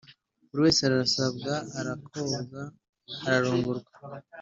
buri wese arasabwa arakobwa, ararongorwa.